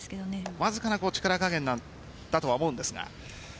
わずかな力加減だとは思うんですが。